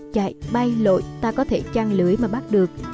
chạy bay lội ta có thể chăn lưới mà bắt được